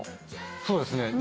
そうですね。